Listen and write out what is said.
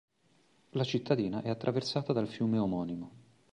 La cittadina è attraversata dal fiume omonimo.